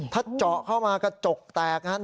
ถ้าเจาะเข้ามากระจกแตกนะครับ